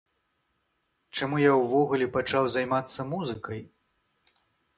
Чаму я ўвогуле пачаў займацца музыкай?